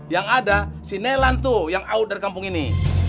yang ada si nelan tuh yang owder kampung ini